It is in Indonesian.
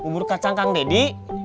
bubur kacang kang deddy